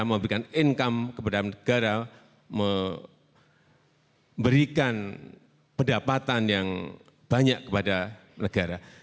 memberikan income kepada negara memberikan pendapatan yang banyak kepada negara